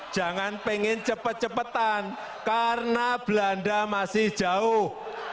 jangan pengen cepat cepatan karena belanda masih jauh